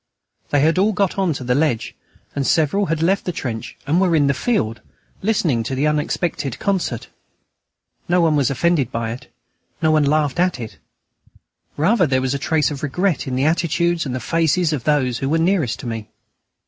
They had all got on to the ledge, and several had left the trench and were in the field, listening to the unexpected concert. No one was offended by it; no one laughed at it. Rather was there a trace of regret in the attitudes and the faces of those who were nearest to me.